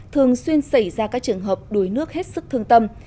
thường xuyên xảy ra các trường hợp đuối nước hết sức thương tâm